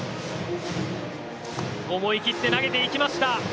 思い切って投げていきました。